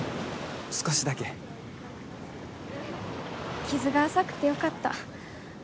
少しだけ傷が浅くてよかった